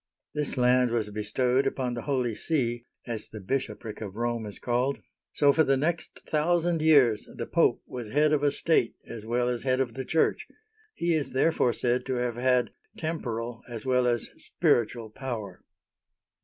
This land was bestowed upon the Holy See, — as the bishopric of Rome is called, — so for the next thousand years the Pope was head of a state, as well as head of the Church. He is therefore said to have had temporal as well as spiritual power.